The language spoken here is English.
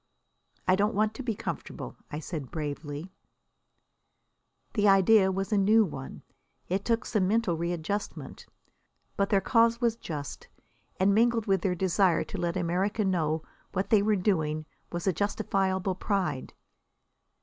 "I don't want to be comfortable," I said bravely. Another conference. The idea was a new one; it took some mental readjustment. But their cause was just, and mingled with their desire to let America know what they were doing was a justifiable pride.